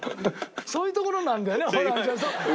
そういうところなんだよねホランちゃん。